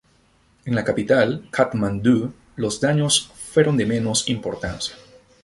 En la capital, Katmandú, los daños fueron de menos importancia.